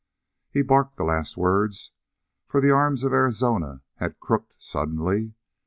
He barked the last words, for the arms of Arizona had crooked suddenly.